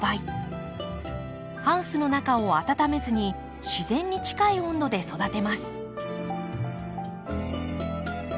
ハウスの中を温めずに自然に近い温度で育てます。